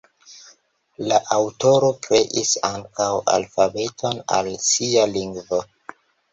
La aŭtoro kreis ankaŭ alfabeton al sia "lingvo".